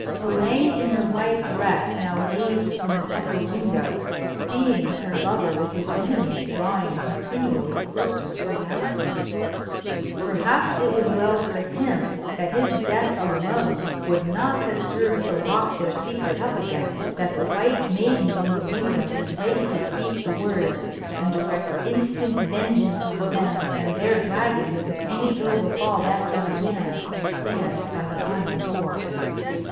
Elaine in her white dress now gazed from an upper window, seeing her lover with his enemies drawing continually closer around him. Perhaps it was well for him that his death alone would not have served to lock their secret up again; that the white maiden in the window is ready to speak the word and direct instant vengeance on them and their dragon if any ill befall that young man who stands by the iron door.